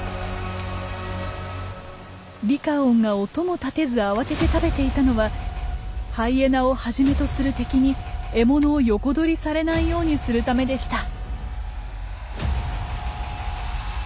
リカオンが音も立てず慌てて食べていたのはハイエナをはじめとする敵に獲物を横取りされないようにするためでした。